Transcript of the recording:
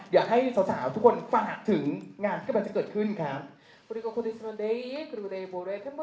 อยากให้สาวทุกคนฝากถึงงานที่กำลังจะเกิดขึ้นครับ